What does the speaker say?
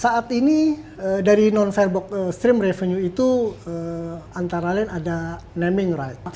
saat ini dari non fairbox stream revenue itu antara lain ada naming rights